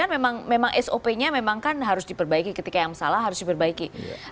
memang sop nya memang kan harus diperbaiki ketika yang salah harus diperbaiki